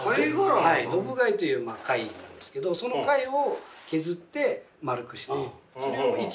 ドブガイという貝なんですけどその貝を削って丸くしてそれを生きてる貝に入れて。